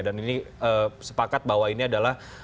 dan ini sepakat bahwa ini adalah